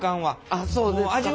あっそうですか。